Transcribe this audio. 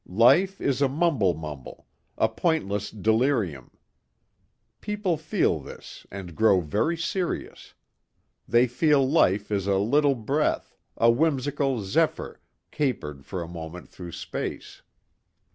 Life is a mumble mumble, a pointless delirium. People feel this and grow very serious. They feel life is a little breath, a whimsical zephyr capering for a moment through space.